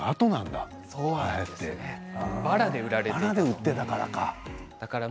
ばらで売っていたからか。